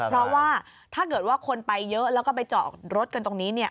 เพราะว่าถ้าเกิดว่าคนไปเยอะแล้วก็ไปเจาะรถกันตรงนี้เนี่ย